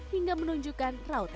hingga menunjukkan raut emosi